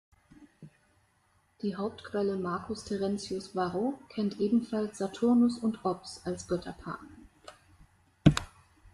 Die Hauptquelle Marcus Terentius Varro kennt ebenfalls Saturnus und Ops als Götterpaar.